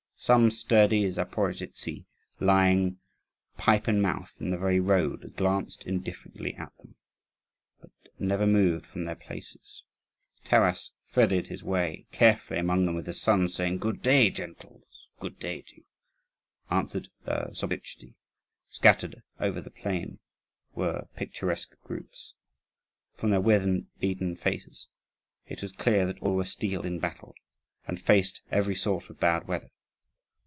Some sturdy Zaporozhtzi lying, pipe in mouth, in the very road, glanced indifferently at them, but never moved from their places. Taras threaded his way carefully among them, with his sons, saying, "Good day, gentles." "Good day to you," answered the Zaporozhtzi. Scattered over the plain were picturesque groups. From their weatherbeaten faces, it was plain that all were steeled in battle, and had faced every sort of bad weather.